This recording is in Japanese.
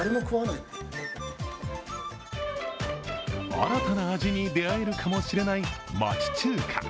新たな味に出会えるかもしれない町中華。